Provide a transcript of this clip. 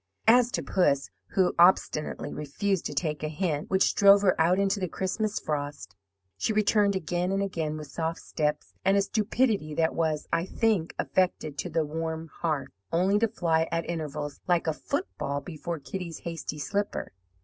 "As to puss, who obstinately refused to take a hint which drove her out into the Christmas frost, she returned again and again with soft steps, and a stupidity that was, I think, affected, to the warm hearth, only to fly at intervals, like a football, before Kitty's hasty slipper.